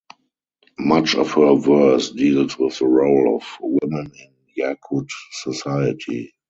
Much of her verse deals with the role of women in Yakut society.